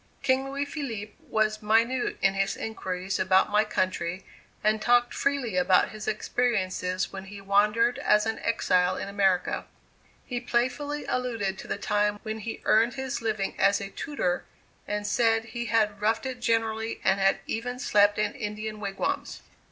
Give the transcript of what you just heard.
King Louis Philippe was minute in his inquiries about my country and talked freely about his experiences when he wandered as an exile in America. He playfully alluded to the time when he earned his living as a tutor, and said he had roughed it generally and had even slept in Indian wigwams.